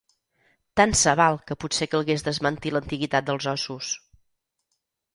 Tant se val que potser calgués desmentir l'antiguitat dels ossos.